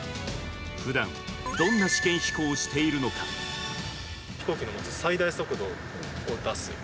ふだん、どんな試験飛行をしてい飛行機の持つ最大速度を出す。